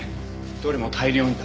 どれも大量にだ。